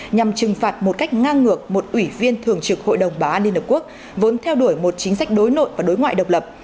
nhằm trừng phạt một cách ngang ngược một ủy viên thường trực hội đồng bảo an liên hợp quốc vốn theo đuổi một chính sách đối nội và đối ngoại độc lập